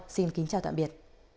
xin kính chào tạm biệt